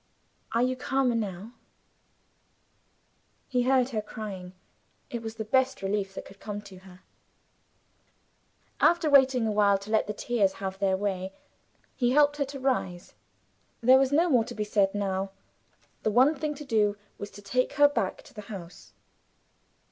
Are you calmer, now?" He heard her crying: it was the best relief that could come to her. After waiting a while to let the tears have their way, he helped her to rise. There was no more to be said now. The one thing to do was to take her back to the house.